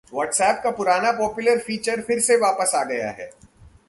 WhatsApp का पुराना popular feature फिर से वापस आ गया है